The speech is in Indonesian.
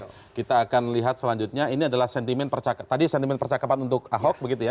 oke kita akan lihat selanjutnya ini adalah sentimen percakapan tadi sentimen percakapan untuk ahok begitu ya